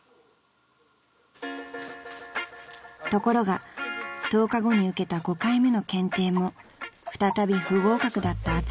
［ところが１０日後に受けた５回目の検定も再び不合格だったアツシさん］